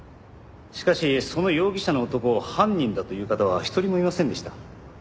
しかしその容疑者の男を犯人だという方は一人もいませんでした。